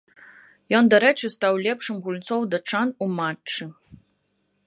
Ён, дарэчы, стаў лепшым гульцоў датчан у матчы.